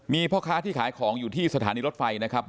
มีพ่อค้าที่ขายของอยู่ที่สถานีรถไฟนะครับ